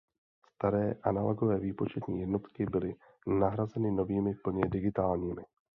Staré analogové výpočetní jednotky byly nahrazeny novými plně digitálními.